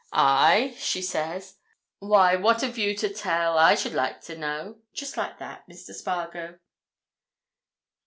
'Aye?' she says, 'Why, what have you to tell, I should like to know?' just like that, Mr. Spargo."